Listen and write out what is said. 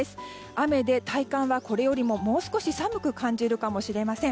雨で体感はこれよりももう少し寒く感じるかもしれません。